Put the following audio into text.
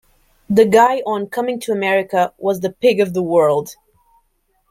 The guy on "Coming to America" was the pig of the world...